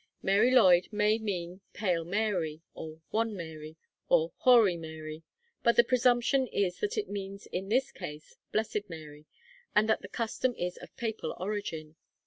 Mary Lwyd may mean Pale Mary, or Wan Mary, or Hoary Mary, but the presumption is that it means in this case Blessed Mary, and that the custom is of papal origin.